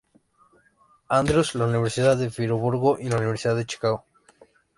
Andrews, la Universidad de Friburgo, y la Universidad de Chicago.